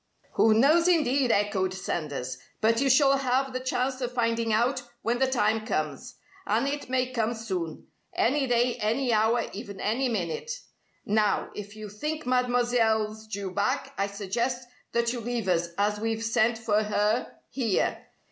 "Who knows, indeed?" echoed Sanders. "But you shall have the chance of finding out when the time comes. And it may come soon any day, any hour, even any minute. Now, if you think Mademoiselle's due back, I suggest that you leave us, as we've sent for her here.